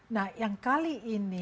nah yang kali ini